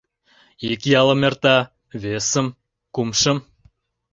Ик ялым эрта, весым, кумшым.